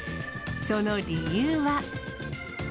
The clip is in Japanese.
その理由は。